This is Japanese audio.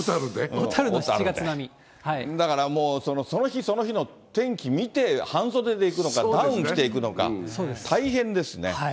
だからもう、その日その日の天気見て、半袖で行くのか、ダウン着ていくのか、大変ですね。